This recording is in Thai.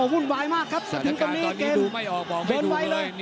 หุ้นวายมากครับสถานการณ์ตอนนี้ดูไม่ออกบอกไม่ดูเลย